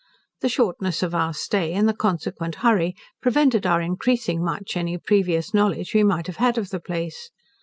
The shortness of our stay, and the consequent hurry, prevented our increasing much any previous knowledge we might have had of the place.